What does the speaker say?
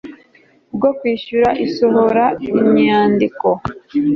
bwo kwishyura isohora inyandiko